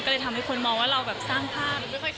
ก็เลยทำให้คนมองว่าเราแบบสร้างภาพ